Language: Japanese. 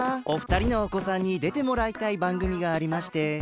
お二人のおこさんにでてもらいたいばんぐみがありまして。